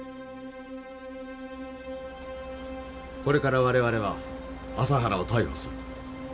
これから我々は麻原を逮捕する。